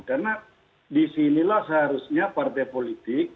karena disinilah seharusnya partai politik